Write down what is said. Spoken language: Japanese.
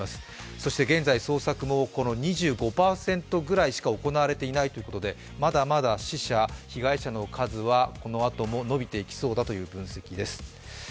そして現在捜索もこの２５％ぐらいしか行われていないということで、まだまだ死者、被害者の数はこのあとも伸びていきそうだということです。